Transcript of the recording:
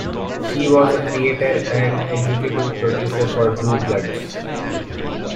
She was a creator and executive producer for "Blue Bloods".